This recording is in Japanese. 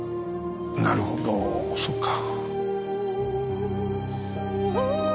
なるほどそうか。